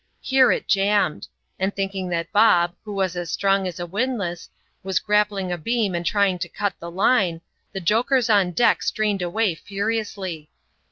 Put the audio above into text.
Here it jammed ; and thinking that Bob, who was as strong as a windlass, was grappling a beam and trying to cut the line, the jokers on deck strained away furiously.